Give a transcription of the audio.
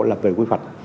là về quy hoạch